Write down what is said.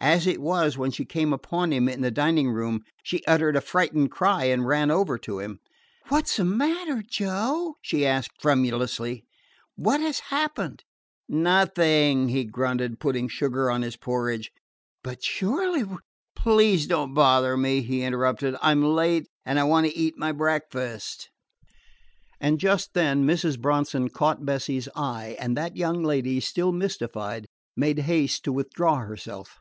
As it was, when she came upon him in the dining room she uttered a frightened cry and ran over to him. "What 's the matter, Joe?" she asked tremulously. "What has happened?" "Nothing," he grunted, putting sugar on his porridge. "But surely " she began. "Please don't bother me," he interrupted. "I 'm late, and I want to eat my breakfast." And just then Mrs. Bronson caught Bessie's eye, and that young lady, still mystified, made haste to withdraw herself.